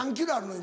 今。